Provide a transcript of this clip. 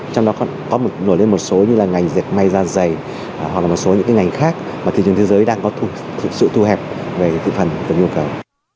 trong đó có một nổi lên một số như là ngành diệt may da dày hoặc là một số những ngành khác mà thị trường thế giới đang có sự thu hẹp về thị phần và nhu cầu